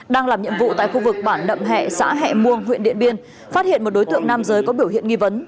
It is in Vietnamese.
đang làm nhiệm vụ tại khu vực bản nậm hẹ xã hẹ muông huyện điện biên phát hiện một đối tượng nam giới có biểu hiện nghi vấn